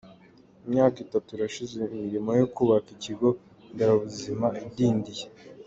Imyaka itatu irashize imirimo yo kubaka ikigo nderabuzima idindiye.